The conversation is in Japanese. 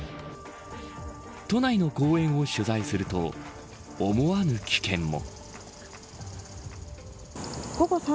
都内の公園を取材すると思わぬ危険も。